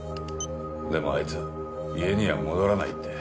でもあいつ家には戻らないって。